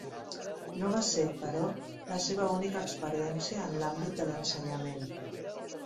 No va ser, però, la seva única experiència en l'àmbit de l'ensenyament.